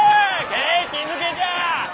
景気づけじゃ！